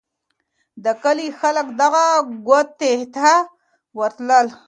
د کلي خلک دغه کوټې ته ورتلل.